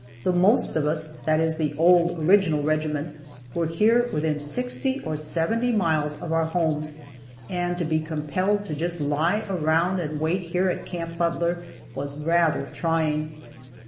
The most of us (that is, of the old, original regiment) were here within sixty or seventy miles of our homes, and to be compelled to just lie around and wait here at Camp Butler was rather trying.